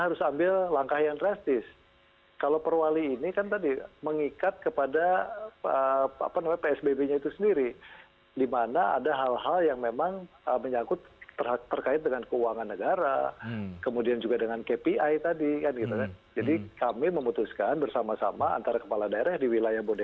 apakah memang agak sulit untuk bisa memonitor